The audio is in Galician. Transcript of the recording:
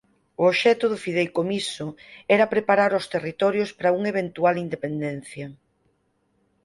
O obxecto do fideicomiso era preparar ós territorios para unha eventual independencia.